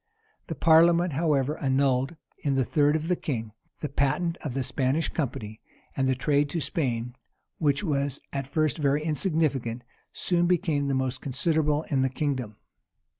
The parliament, however, annulled, in the third of the king, the patent of the Spanish company; and the trade to Spain, which was at first very insignificant, soon became the most considerable in the kingdom.